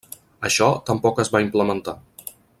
Això tampoc es va implementar.